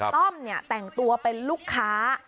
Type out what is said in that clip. ต้อมเนี่ยแต่งตัวเป็นลูกค้า